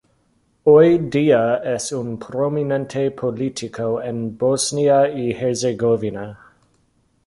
Hoy día es un prominente político en Bosnia y Herzegovina.